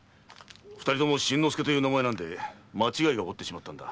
二人とも「しんのすけ」という名前なんで間違いが起こってしまったんだ。